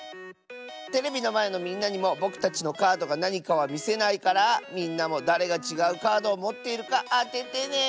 テレビのまえのみんなにもぼくたちのカードがなにかはみせないからみんなもだれがちがうカードをもっているかあててね！